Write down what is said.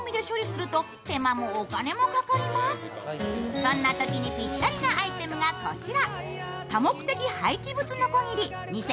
そんなときにぴったりなアイテムがこちら。